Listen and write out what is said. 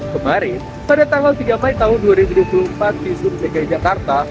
kemarin pada tanggal tiga mai tahun dua ribu empat di surut dki jakarta